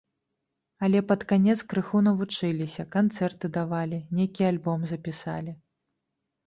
Але пад канец крыху навучыліся, канцэрты давалі, нейкі альбом запісалі.